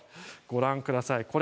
ご覧ください。